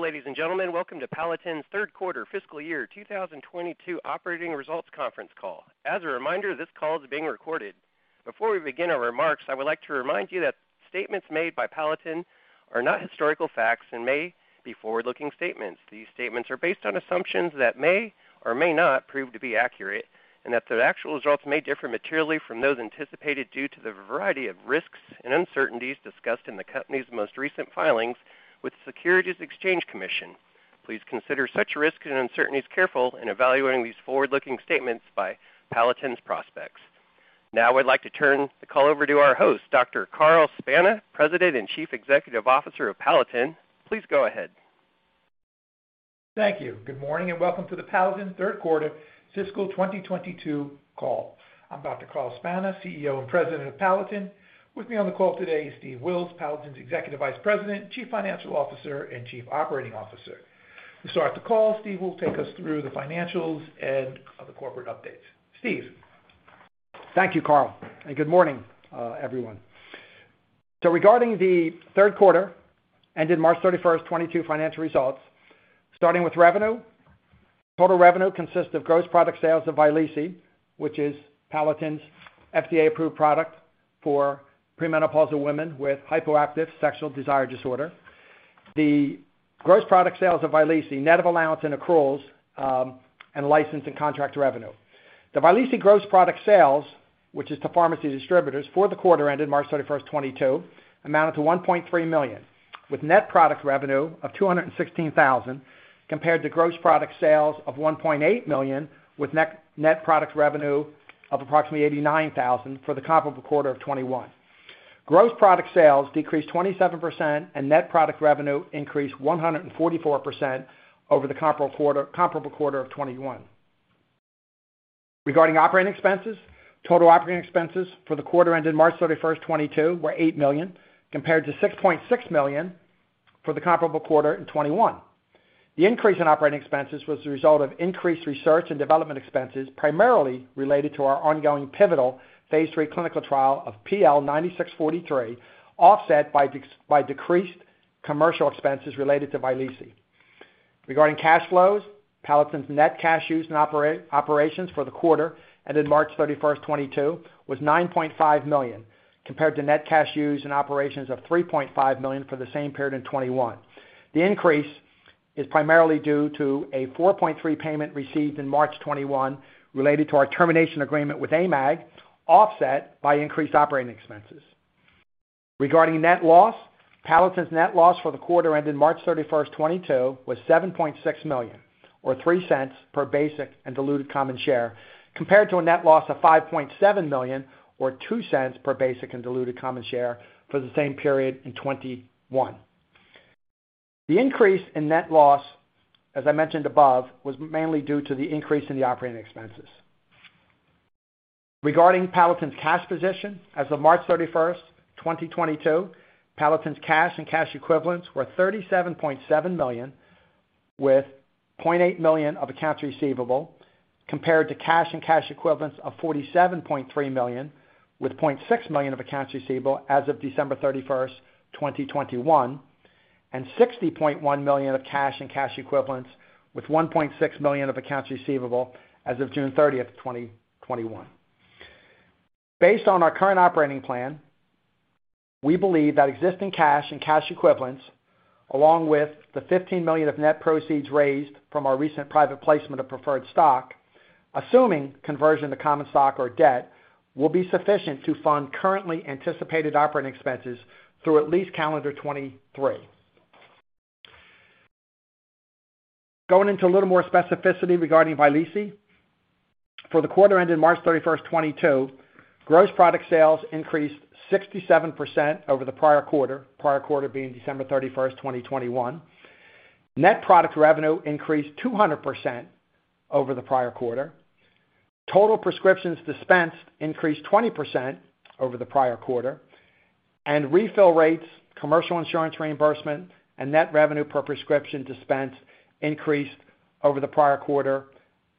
Ladies and gentlemen, welcome to Palatin's third quarter fiscal year 2022 operating results conference call. As a reminder, this call is being recorded. Before we begin our remarks, I would like to remind you that statements made by Palatin are not historical facts and may be forward-looking statements. These statements are based on assumptions that may or may not prove to be accurate, and that their actual results may differ materially from those anticipated due to the variety of risks and uncertainties discussed in the company's most recent filings with the Securities and Exchange Commission. Please consider such risks and uncertainties carefully in evaluating these forward-looking statements by Palatin's prospects. Now I'd like to turn the call over to our host, Dr. Carl Spana, President and Chief Executive Officer of Palatin. Please go ahead. Thank you. Good morning, and welcome to the Palatin third quarter fiscal 2022 call. I'm Dr. Carl Spana, CEO and President of Palatin. With me on the call today is Steve Wills, Palatin's Executive Vice President, Chief Financial Officer, and Chief Operating Officer. To start the call, Steve will take us through the financials and other corporate updates. Steve. Thank you, Carl, and good morning, everyone. Regarding the third quarter ended March 31, 2022 financial results, starting with revenue. Total revenue consists of gross product sales of Vyleesi, which is Palatin's FDA-approved product for premenopausal women with hypoactive sexual desire disorder. The gross product sales of Vyleesi, net of allowance and accruals, and license and contract revenue. The Vyleesi gross product sales, which is to pharmacy distributors for the quarter ended March 31, 2022, amounted to $1.3 million, with net product revenue of $216,000, compared to gross product sales of $1.8 million, with net product revenue of approximately $89,000 for the comparable quarter of 2021. Gross product sales decreased 27% and net product revenue increased 144% over the comparable quarter of 2021. Regarding operating expenses, total operating expenses for the quarter ended March 31, 2022 were $8 million, compared to $6.6 million for the comparable quarter in 2021. The increase in operating expenses was the result of increased research and development expenses, primarily related to our ongoing pivotal phase 3 clinical trial of PL9643, offset by decreased commercial expenses related to Vyleesi. Regarding cash flows, Palatin's net cash used in operations for the quarter ended March 31, 2022 was $9.5 million, compared to net cash used in operations of $3.5 million for the same period in 2021. The increase is primarily due to a $4.3 million payment received in March 2021 related to our termination agreement with AMAG, offset by increased operating expenses. Regarding net loss, Palatin's net loss for the quarter ended March 31, 2022 was $7.6 million, or $0.03 per basic and diluted common share, compared to a net loss of $5.7 million or $0.02 per basic and diluted common share for the same period in 2021. The increase in net loss, as I mentioned above, was mainly due to the increase in the operating expenses. Regarding Palatin's cash position as of March 31, 2022, Palatin's cash and cash equivalents were $37.7 million, with $0.8 million of accounts receivable, compared to cash and cash equivalents of $47.3 million, with $0.6 million of accounts receivable as of December 31st, 2021, and $60.1 million of cash and cash equivalents with $1.6 million of accounts receivable as of June 30th, 2021. Based on our current operating plan, we believe that existing cash and cash equivalents, along with the $15 million of net proceeds raised from our recent private placement of preferred stock, assuming conversion to common stock or debt, will be sufficient to fund currently anticipated operating expenses through at least calendar 2023. Going into a little more specificity regarding Vyleesi. For the quarter ended March 31st, 2022, gross product sales increased 67% over the prior quarter, prior quarter being December 31st, 2021. Net product revenue increased 200% over the prior quarter. Total prescriptions dispensed increased 20% over the prior quarter. Refill rates, commercial insurance reimbursement, and net revenue per prescription dispensed increased over the prior quarter,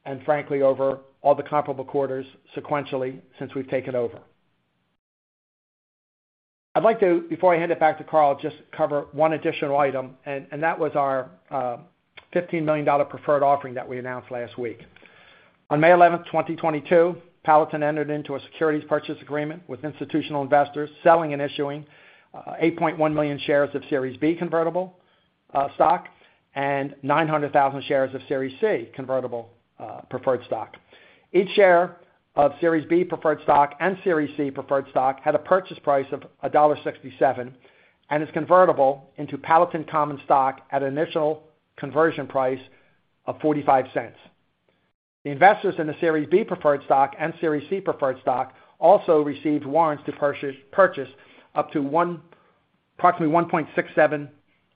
and frankly, over all the comparable quarters sequentially since we've taken over. I'd like to, before I hand it back to Carl, just cover one additional item, and that was our $15 million preferred offering that we announced last week. On May 11, 2022, Palatin entered into a securities purchase agreement with institutional investors selling and issuing 8.1 million shares of Series B convertible stock and 900,000 shares of Series C convertible preferred stock. Each share of Series B preferred stock and Series C preferred stock had a purchase price of $1.67 and is convertible into Palatin common stock at an initial conversion price of $0.45. The investors in the Series B preferred stock and Series C preferred stock also received warrants to purchase up to approximately 1.67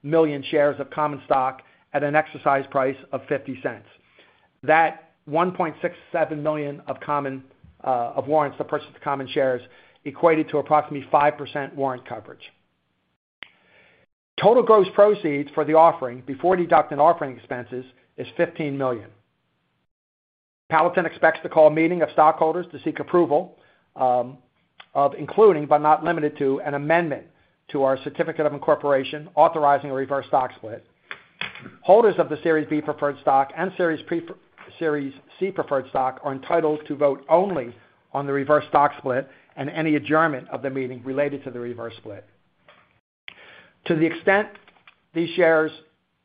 million shares of common stock at an exercise price of $0.50. That 1.67 million of common warrants to purchase the common shares equated to approximately 5% warrant coverage. Total gross proceeds for the offering before deducting offering expenses is $15 million. Palatin expects to call a meeting of stockholders to seek approval of including, but not limited to, an amendment to our certificate of incorporation authorizing a reverse stock split. Holders of the Series B preferred stock and Series C preferred stock are entitled to vote only on the reverse stock split and any adjournment of the meeting related to the reverse split. To the extent these shares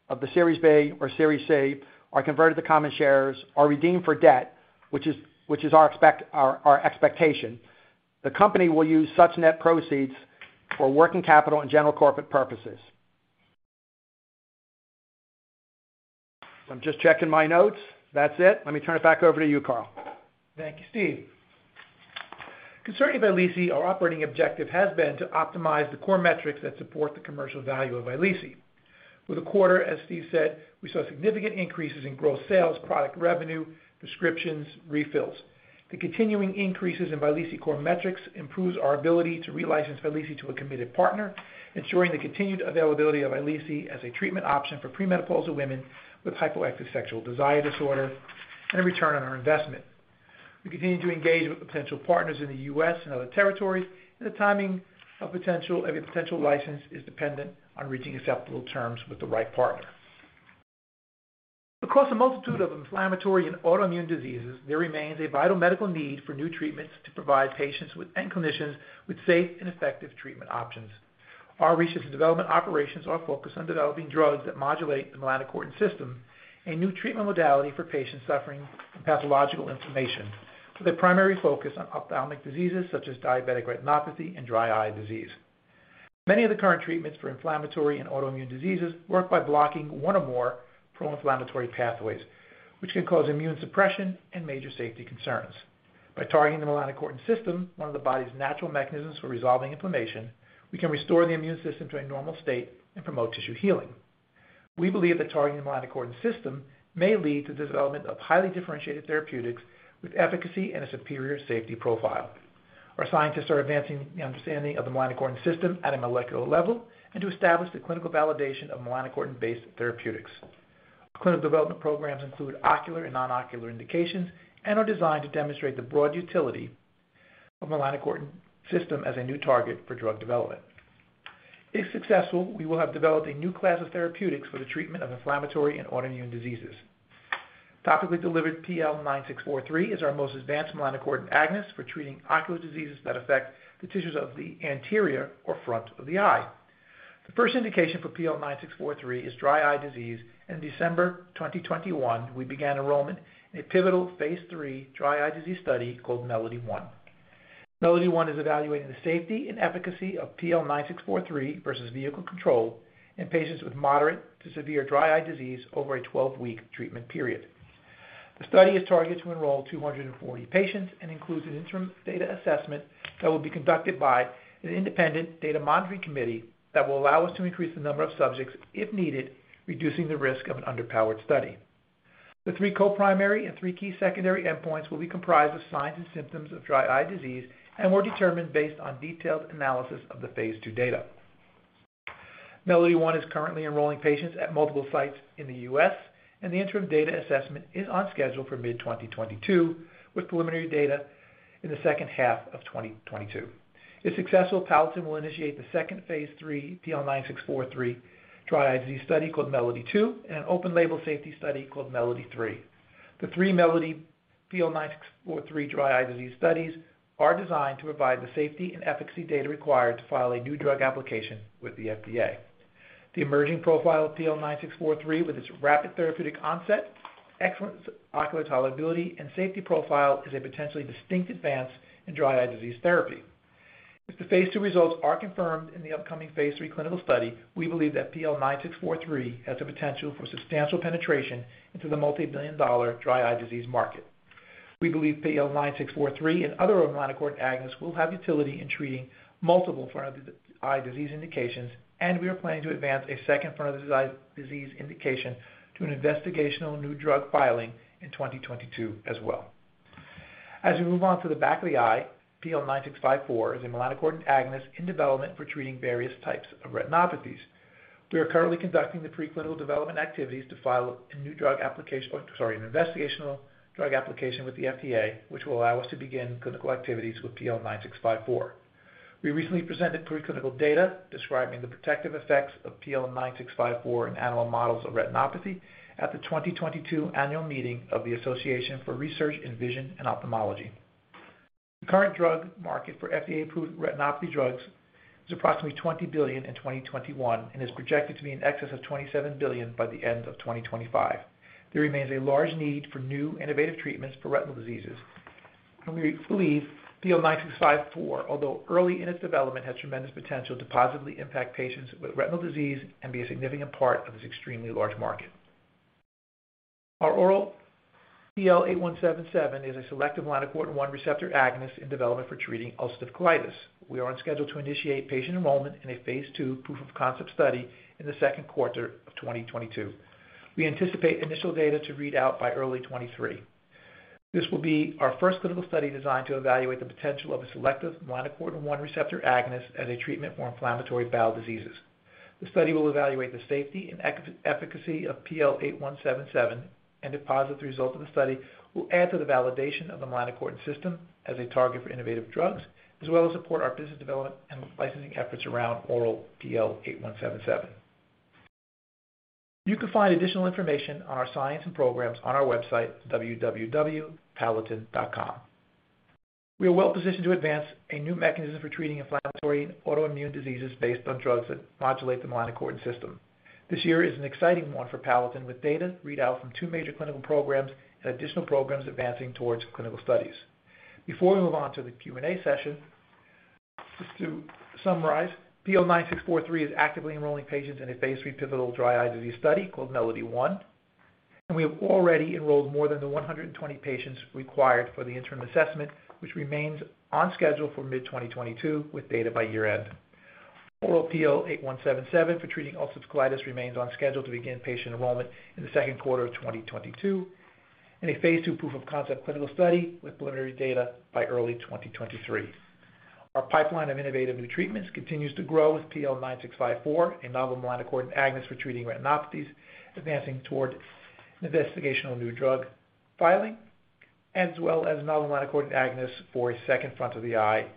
of the Series B or Series C are converted to common shares or redeemed for debt, which is our expectation, the company will use such net proceeds for working capital and general corporate purposes. I'm just checking my notes. That's it. Let me turn it back over to you, Carl. Thank you, Steve. Concerning Vyleesi, our operating objective has been to optimize the core metrics that support the commercial value of Vyleesi. In the quarter, as Steve said, we saw significant increases in gross sales, product revenue, prescriptions, refills. The continuing increases in Vyleesi core metrics improves our ability to re-license Vyleesi to a committed partner, ensuring the continued availability of Vyleesi as a treatment option for premenopausal women with hypoactive sexual desire disorder and a return on our investment. We continue to engage with potential partners in the U.S. and other territories, and the timing of a potential license is dependent on reaching acceptable terms with the right partner. Across a multitude of inflammatory and autoimmune diseases, there remains a vital medical need for new treatments to provide patients with and clinicians with safe and effective treatment options. Our research and development operations are focused on developing drugs that modulate the melanocortin system, a new treatment modality for patients suffering from pathological inflammation, with a primary focus on ophthalmic diseases such as diabetic retinopathy and dry eye disease. Many of the current treatments for inflammatory and autoimmune diseases work by blocking one or more pro-inflammatory pathways, which can cause immune suppression and major safety concerns. By targeting the melanocortin system, one of the body's natural mechanisms for resolving inflammation, we can restore the immune system to a normal state and promote tissue healing. We believe that targeting the melanocortin system may lead to the development of highly differentiated therapeutics with efficacy and a superior safety profile. Our scientists are advancing the understanding of the melanocortin system at a molecular level and to establish the clinical validation of melanocortin-based therapeutics. Our clinical development programs include ocular and non-ocular indications and are designed to demonstrate the broad utility of melanocortin system as a new target for drug development. If successful, we will have developed a new class of therapeutics for the treatment of inflammatory and autoimmune diseases. Topically delivered PL9643 is our most advanced melanocortin agonist for treating ocular diseases that affect the tissues of the anterior or front of the eye. The first indication for PL9643 is dry eye disease, and in December 2021, we began enrollment in a pivotal phase 3 dry eye disease study called MELODY-1. MELODY-1 is evaluating the safety and efficacy of PL9643 versus vehicle control in patients with moderate to severe dry eye disease over a 12-week treatment period. The study is targeted to enroll 240 patients and includes an interim data assessment that will be conducted by an independent data monitoring committee that will allow us to increase the number of subjects if needed, reducing the risk of an underpowered study. The three co-primary and three key secondary endpoints will be comprised of signs and symptoms of dry eye disease and were determined based on detailed analysis of the phase 2 data. MELODY-1 is currently enrolling patients at multiple sites in the U.S., and the interim data assessment is on schedule for mid-2022, with preliminary data in the second half of 2022. If successful, Palatin will initiate the second phase 3 PL9643 dry eye disease study called MELODY-2 and an open-label safety study called MELODY-3. The three MELODY PL9643 dry eye disease studies are designed to provide the safety and efficacy data required to file a new drug application with the FDA. The emerging profile of PL9643 with its rapid therapeutic onset, excellent ocular tolerability, and safety profile is a potentially distinct advance in dry eye disease therapy. If the phase 2 results are confirmed in the upcoming phase 3 clinical study, we believe that PL9643 has the potential for substantial penetration into the multi-billion dollar dry eye disease market. We believe PL9643 and other melanocortin agonists will have utility in treating multiple front of the eye disease indications, and we are planning to advance a second front of the eye disease indication to an investigational new drug filing in 2022 as well. As we move on to the back of the eye, PL9654 is a melanocortin agonist in development for treating various types of retinopathies. We are currently conducting the preclinical development activities to file an investigational drug application with the FDA, which will allow us to begin clinical activities with PL9654. We recently presented preclinical data describing the protective effects of PL9654 in animal models of retinopathy at the 2022 annual meeting of the Association for Research in Vision and Ophthalmology. The current drug market for FDA-approved retinopathy drugs is approximately $20 billion in 2021 and is projected to be in excess of $27 billion by the end of 2025. There remains a large need for new innovative treatments for retinal diseases. We believe PL9654, although early in its development, has tremendous potential to positively impact patients with retinal disease and be a significant part of this extremely large market. Our oral PL8177 is a selective melanocortin-1 receptor agonist in development for treating ulcerative colitis. We are on schedule to initiate patient enrollment in a phase 2 proof of concept study in the second quarter of 2022. We anticipate initial data to read out by early 2023. This will be our first clinical study designed to evaluate the potential of a selective melanocortin-1 receptor agonist as a treatment for inflammatory bowel diseases. The study will evaluate the safety and efficacy of PL8177, and the results of the study will add to the validation of the melanocortin system as a target for innovative drugs, as well as support our business development and licensing efforts around oral PL8177. You can find additional information on our science and programs on our website, www.palatin.com. We are well positioned to advance a new mechanism for treating inflammatory and autoimmune diseases based on drugs that modulate the melanocortin system. This year is an exciting one for Palatin, with data read out from two major clinical programs and additional programs advancing towards clinical studies. Before we move on to the Q&A session, just to summarize, PL9643 is actively enrolling patients in a phase 3 pivotal dry eye disease study called MELODY-1, and we have already enrolled more than the 120 patients required for the interim assessment, which remains on schedule for mid-2022, with data by year-end. PL8177 for treating ulcerative colitis remains on schedule to begin patient enrollment in the second quarter of 2022 in a phase 2 proof of concept clinical study with preliminary data by early 2023. Our pipeline of innovative new treatments continues to grow, with PL9654, a novel melanocortin agonist for treating retinopathies, advancing toward an investigational new drug filing, as well as a novel melanocortin agonist for a second front of the eye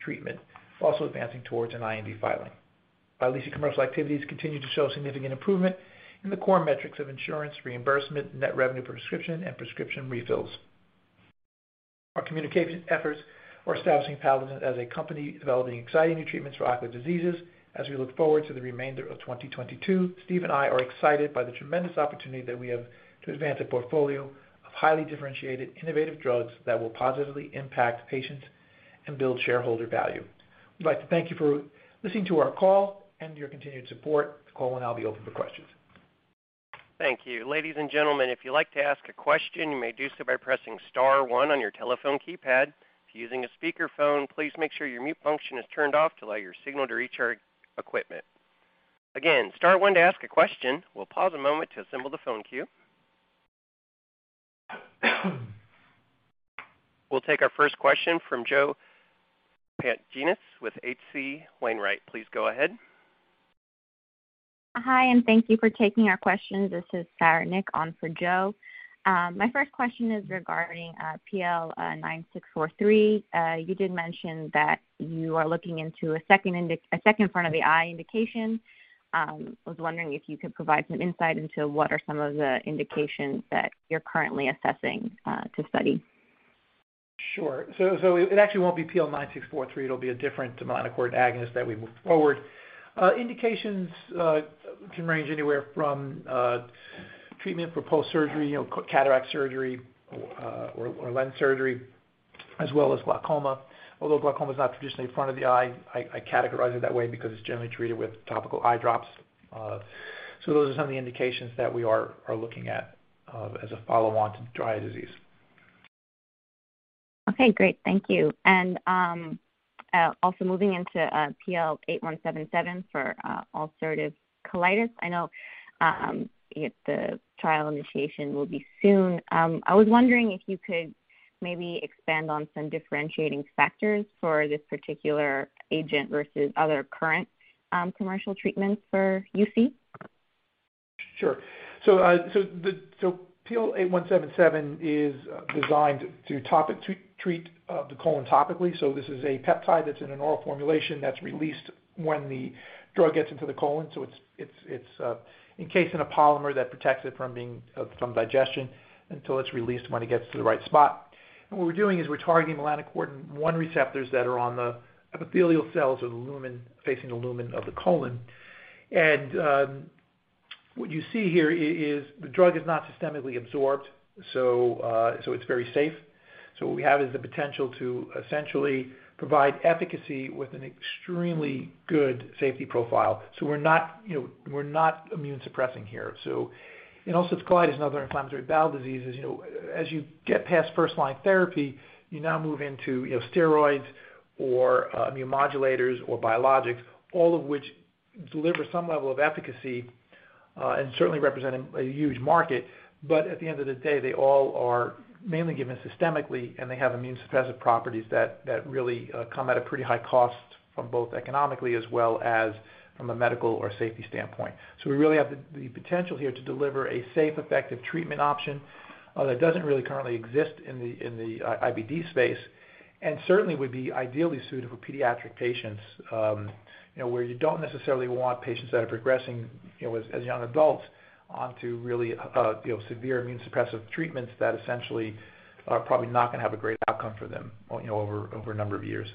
treatment, also advancing towards an IND filing. Vyleesi commercial activities continue to show significant improvement in the core metrics of insurance reimbursement, net revenue per prescription, and prescription refills. Our communication efforts are establishing Palatin as a company developing exciting new treatments for ocular diseases. As we look forward to the remainder of 2022, Steve and I are excited by the tremendous opportunity that we have to advance a portfolio of highly differentiated, innovative drugs that will positively impact patients and build shareholder value. We'd like to thank you for listening to our call and your continued support. Carl and I'll be open for questions. Thank you. Ladies and gentlemen, if you'd like to ask a question, you may do so by pressing star one on your telephone keypad. If you're using a speakerphone, please make sure your mute function is turned off to allow your signal to reach our equipment. Again, star one to ask a question. We'll pause a moment to assemble the phone queue. We'll take our first question from Joe Pantginis with H.C. Wainwright. Please go ahead. Hi, and thank you for taking our questions. This is Sara Nik on for Joe. My first question is regarding PL9643. You did mention that you are looking into a second front of the eye indication. I was wondering if you could provide some insight into what are some of the indications that you're currently assessing to study. Sure. It actually won't be PL9643. It'll be a different melanocortin agonist that we move forward. Indications can range anywhere from treatment for post-surgery, you know, cataract surgery, or lens surgery, as well as glaucoma. Although glaucoma is not traditionally front of the eye, I categorize it that way because it's generally treated with topical eye drops. Those are some of the indications that we are looking at as a follow-on to dry eye disease. Okay, great. Thank you. Also moving into PL8177 for ulcerative colitis. I know the trial initiation will be soon. I was wondering if you could maybe expand on some differentiating factors for this particular agent versus other current commercial treatments for UC. Sure. PL8177 is designed to treat the colon topically. This is a peptide that's in an oral formulation that's released when the drug gets into the colon. It's encased in a polymer that protects it from digestion until it's released when it gets to the right spot. What we're doing is we're targeting melanocortin-1 receptors that are on the epithelial cells of the lumen, facing the lumen of the colon. What you see here is the drug is not systemically absorbed, so it's very safe. What we have is the potential to essentially provide efficacy with an extremely good safety profile. We're not, you know, we're not immune suppressing here. In ulcerative colitis and other inflammatory bowel diseases, you know, as you get past first line therapy, you now move into, you know, steroids or immunomodulators or biologics, all of which deliver some level of efficacy, and certainly represent a huge market. At the end of the day, they all are mainly given systemically, and they have immunosuppressive properties that really come at a pretty high cost from both economically as well as from a medical or safety standpoint. We really have the potential here to deliver a safe, effective treatment option that doesn't really currently exist in the IBD space, and certainly would be ideally suited for pediatric patients, you know, where you don't necessarily want patients that are progressing, you know, as young adults onto really, you know, severe immune suppressive treatments that essentially are probably not gonna have a great outcome for them, you know, over a number of years.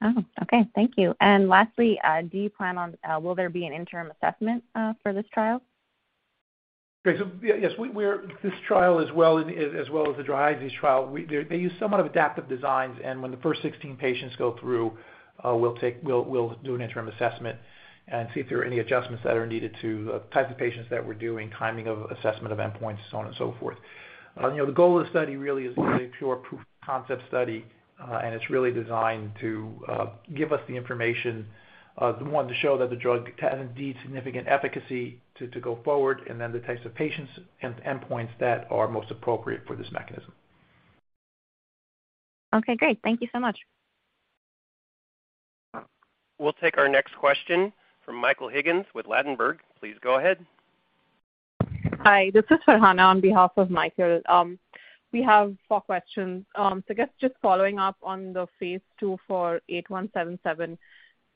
Oh, okay. Thank you. Lastly, will there be an interim assessment for this trial? Yes, this trial as well as the dry eye trial, they use somewhat adaptive designs, and when the first 16 patients go through, we'll do an interim assessment and see if there are any adjustments that are needed to the type of patients that we're doing, timing of assessment of endpoints, so on and so forth. You know, the goal of the study really is a pure proof of concept study, and it's really designed to give us the information, one, to show that the drug has indeed significant efficacy to go forward, and then the types of patients and endpoints that are most appropriate for this mechanism. Okay, great. Thank you so much. We'll take our next question from Michael Higgins with Ladenburg Thalmann. Please go ahead. Hi, this is Farhana Ali on behalf of Michael Higgins. We have four questions. I guess just following up on the phase 2 for PL8177.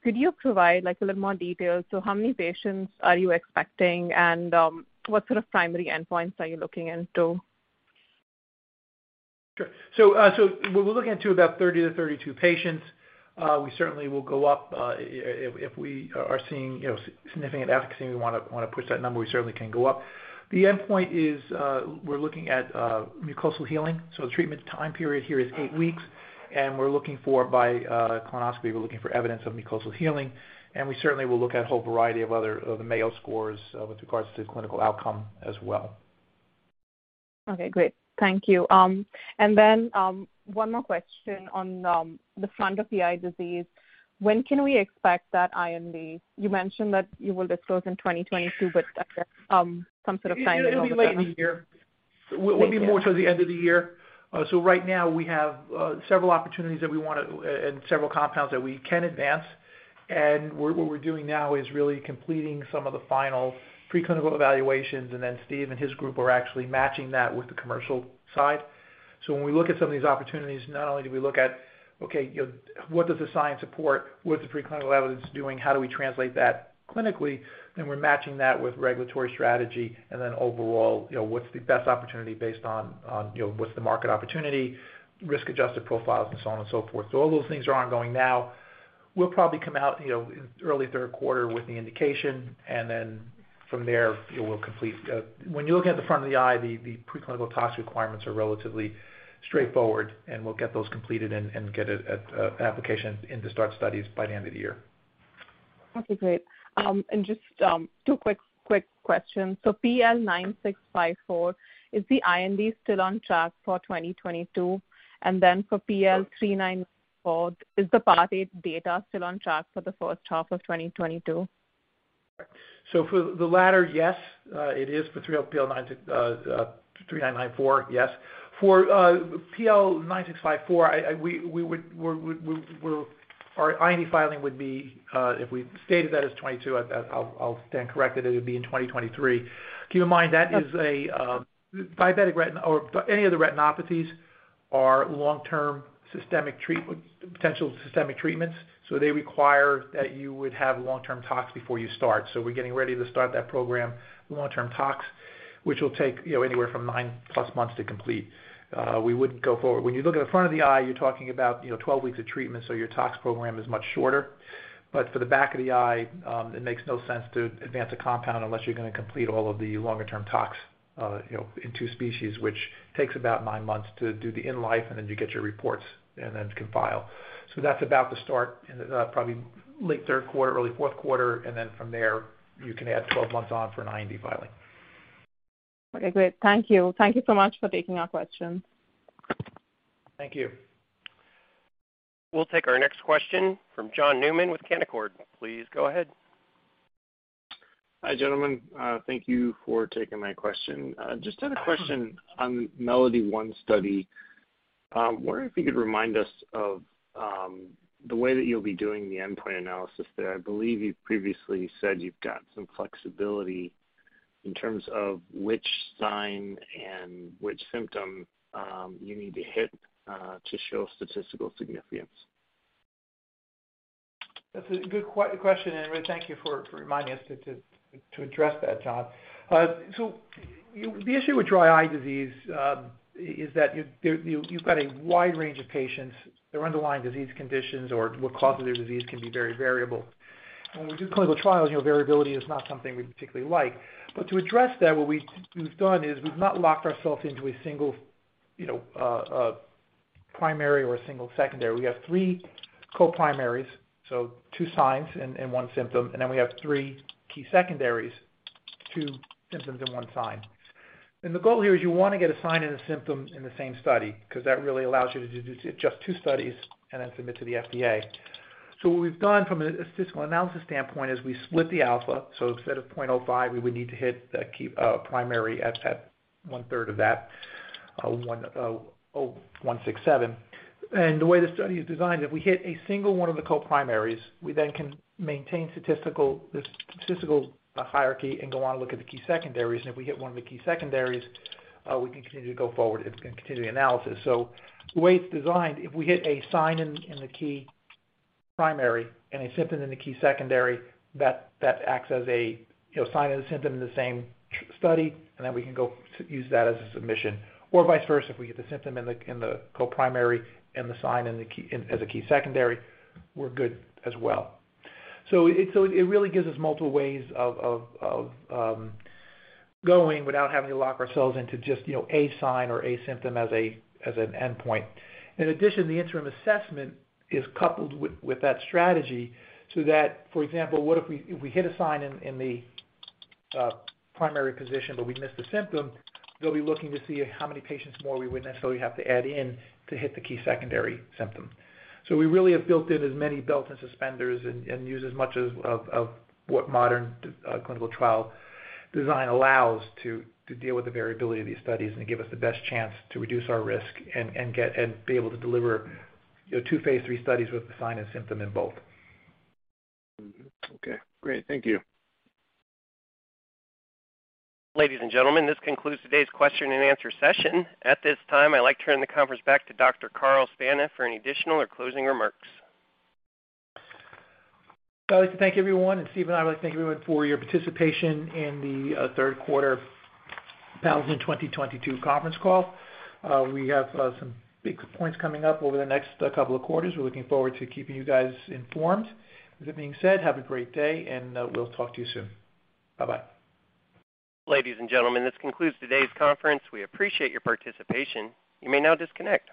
Could you provide like a little more details? How many patients are you expecting? And what sort of primary endpoints are you looking into? Sure. We're looking into about 30-32 patients. We certainly will go up if we are seeing you know significant efficacy and we wanna push that number we certainly can go up. The endpoint is we're looking at mucosal healing. The treatment time period here is eight weeks and we're looking for evidence of mucosal healing by colonoscopy and we certainly will look at a whole variety of other of the Mayo Score with regards to clinical outcome as well. Okay, great. Thank you. One more question on the front of the eye disease. When can we expect that IND? You mentioned that you will disclose in 2022, but some sort of timing on that. It'll be late in the year. Thank you. Will be more towards the end of the year. Right now we have several opportunities that we wanna and several compounds that we can advance. What we're doing now is really completing some of the final preclinical evaluations, and then Steve and his group are actually matching that with the commercial side. When we look at some of these opportunities, not only do we look at, okay, you know, what does the science support? What's the preclinical evidence doing? How do we translate that clinically? Then we're matching that with regulatory strategy and then overall, you know, what's the best opportunity based on, you know, what's the market opportunity, risk-adjusted profiles and so on and so forth. All those things are ongoing now. We'll probably come out, you know, in early third quarter with the indication, and then from there, you know, we'll complete. When you look at the front of the eye, the preclinical tox requirements are relatively straightforward, and we'll get those completed and get a application in to start studies by the end of the year. Okay, great. Just two quick questions. PL-9654, is the IND still on track for 2022? Then for PL-3994, is the Part eight data still on track for the first half of 2022? For the latter, yes, it is for PL-3994, yes. For PL-9654, we would. Our IND filing would be, if we've stated that as 2022, I'll stand corrected. It would be in 2023. Keep in mind that is a diabetic retinopathy or any of the retinopathies are long-term systemic treatments, so they require that you would have long-term tox before you start. We're getting ready to start that program, long-term tox, which will take, you know, anywhere from nine plus months to complete. We wouldn't go forward. When you look at the front of the eye, you're talking about, you know, 12 weeks of treatment, so your tox program is much shorter. For the back of the eye, it makes no sense to advance a compound unless you're gonna complete all of the longer-term tox, you know, in two species, which takes about nine months to do the in-life, and then you get your reports and then can file. That's about to start in, probably late third quarter, early fourth quarter, and then from there, you can add 12 months on for an IND filing. Okay, great. Thank you. Thank you so much for taking our questions. Thank you. We'll take our next question from John Newman with Canaccord. Please go ahead. Hi, gentlemen. Thank you for taking my question. Just had a question on MELODY-1 study. Wondering if you could remind us of the way that you'll be doing the endpoint analysis there. I believe you previously said you've got some flexibility in terms of which sign and which symptom you need to hit to show statistical significance. That's a good question, and thank you for reminding us to address that, John. So the issue with dry eye disease is that you've got a wide range of patients. Their underlying disease conditions or what causes their disease can be very variable. When we do clinical trials, you know, variability is not something we particularly like. But to address that, what we've done is we've not locked ourselves into a single, you know, primary or a single secondary. We have three co-primaries, so two signs and one symptom, and then we have three key secondaries, two symptoms and one sign. The goal here is you wanna get a sign and a symptom in the same study because that really allows you to do just two studies and then submit to the FDA. What we've done from a statistical analysis standpoint is we split the alpha, so instead of 0.05, we would need to hit the key primary at one-third of that, 0.0167. The way the study is designed, if we hit a single one of the co-primaries, we then can maintain the statistical hierarchy and go on and look at the key secondaries. If we hit one of the key secondaries, we can continue to go forward and continue the analysis. The way it's designed, if we hit a sign in the key primary and a symptom in the key secondary, that acts as a, you know, sign and a symptom in the same tr-study. Then we can go use that as a submission or vice versa. If we get the symptom in the co-primary and the sign in the key as a key secondary, we're good as well. It really gives us multiple ways of going without having to lock ourselves into just, you know, a sign or a symptom as an endpoint. In addition, the interim assessment is coupled with that strategy so that, for example, what if we hit a sign in the primary position but we missed the symptom, they'll be looking to see how many patients more we would necessarily have to add in to hit the key secondary symptom. We really have built in as many belts and suspenders and use as much as of what modern clinical trial design allows to deal with the variability of these studies and give us the best chance to reduce our risk and get and be able to deliver, your 2 phase three studies with the sign and symptom in both. Okay, great. Thank you. Ladies and gentlemen, this concludes today's question and answer session. At this time, I'd like to turn the conference back to Dr. Carl Spana for any additional or closing remarks. I'd like to thank everyone, and Steve and I would like to thank everyone for your participation in the third quarter 2022 conference call. We have some big points coming up over the next couple of quarters. We're looking forward to keeping you guys informed. With that being said, have a great day, and we'll talk to you soon. Bye-bye. Ladies and gentlemen, this concludes today's conference. We appreciate your participation. You may now disconnect.